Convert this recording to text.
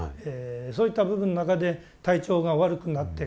そういった部分の中で体調が悪くなってくる。